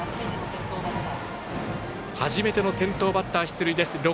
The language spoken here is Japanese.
初めての先頭バッター出塁です。